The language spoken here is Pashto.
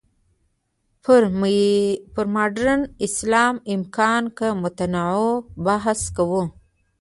پر «مډرن اسلام، امکان که امتناع؟» بحث کوو.